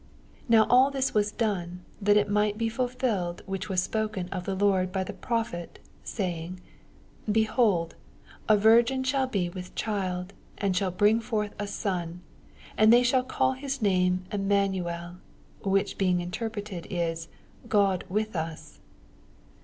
22 Now all this was done, that it might be ftilfilled which was spoken of the Lord by the prophet, say ing, 28 Behold, a vii^gin shall be with child, and shall bring forth a son, and they shall call his name Emmanuel, which being interpreted is, Qod with us.